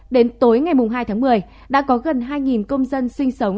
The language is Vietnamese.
đến tối ngày hai tháng một mươi đã có gần hai công dân sinh sống